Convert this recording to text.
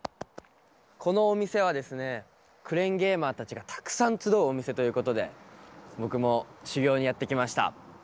このお店はですねクレーンゲーマーたちがたくさん集うお店ということで僕も修業にやってきました。